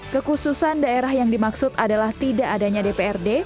kekhususan daerah yang dimaksud adalah tidak adanya dprd